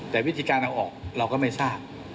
แต่วิธีการเอาออกเราก็ไม่ทราบ